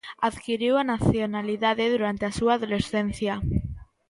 Adquiriu a nacionalidade durante a súa adolescencia.